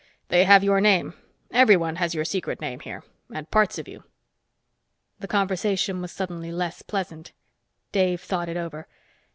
They have your name everyone has your secret name here and parts of you." The conversation was suddenly less pleasant. Dave thought it over.